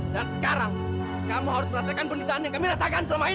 dan sekarang kamu harus merasakan penderitaan yang kami rasakan selama ini